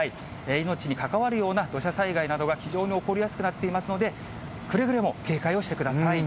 命に関わるような土砂災害などが非常に起こりやすくなっていますので、くれぐれも警戒をしてください。